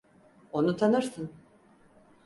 Onu tanırsın.